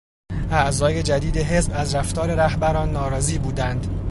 اعضای جدید حزب از رفتار رهبران ناراضی بودند.